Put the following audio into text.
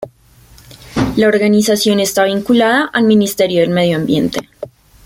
La organización está vinculada al Ministerio del Medio Ambiente.